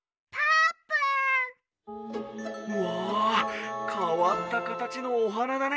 「わあかわったかたちのおはなだね」。